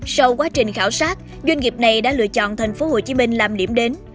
sau quá trình khảo sát doanh nghiệp này đã lựa chọn tp hcm làm điểm đến